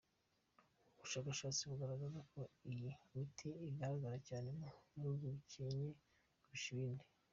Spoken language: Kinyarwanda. Ubushakashatsi bugaragaza ko iyo miti igaragara cyane mu bihugu bikennye kurusha ibindi.